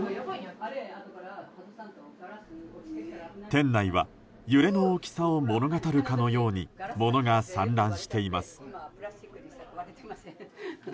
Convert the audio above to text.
店内は揺れの大きさを物語るかのように物が散乱しています。